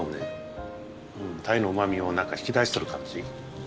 鯛のうまみを引き出してる感じ。